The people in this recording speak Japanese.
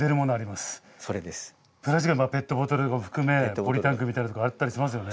ペットボトルを含めポリタンクみたいのとかあったりしますよね。